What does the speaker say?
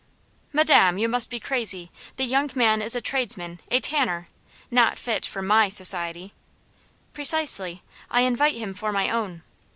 "Madam, you must be crazy. The young man is a tradesman a tanner. Not fit for MY society." "Precisely; I invite him for my own."